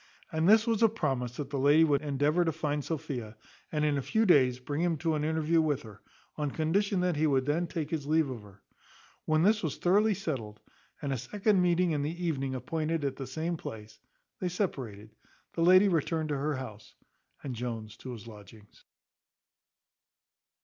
And this was a promise that the lady would endeavour to find out Sophia, and in a few days bring him to an interview with her, on condition that he would then take his leave of her. When this was thoroughly settled, and a second meeting in the evening appointed at the same place, they separated; the lady returned to her house, and Jones to his lodgings.